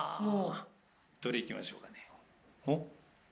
どれ、いきましょうかね。